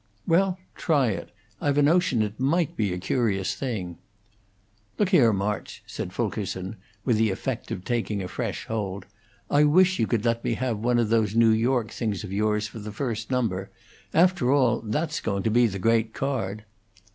"Well, try it. I've a notion it might be a curious thing." "Look here, March," said Fulkerson, with the effect of taking a fresh hold; "I wish you could let me have one of those New York things of yours for the first number. After all, that's going to be the great card."